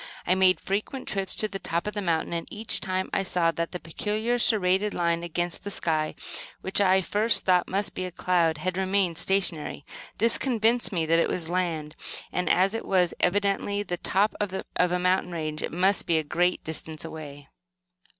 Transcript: I made frequent trips to the top of the mountain, and, each time, I saw that the peculiar serrated line against the sky, which I at first thought must be a cloud, had remained stationary. This convinced me that it was land, and as it was evidently the top of a mountain range, it must be a great distance away.